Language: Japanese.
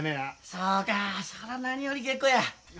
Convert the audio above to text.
そうかそれは何より結構や。